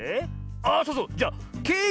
あそうそうじゃケーキ